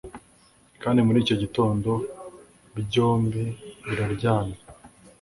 kandi muri icyo gitondo byombi biraryamye